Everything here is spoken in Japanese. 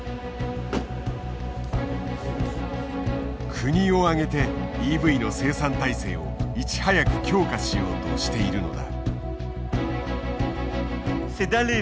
国を挙げてＥＶの生産体制をいち早く強化しようとしているのだ。